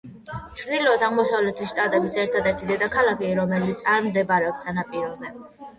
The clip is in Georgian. ჩრდილოეთ-აღმოსავლეთის შტატების ერთადერთი დედაქალაქი, რომელიც არ მდებარეობს სანაპიროზე.